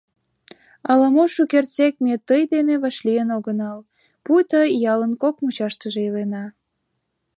— Ала-мо шукертсек ме тый дене вашлийын огынал, пуйто ялын кок мучаштыже илена.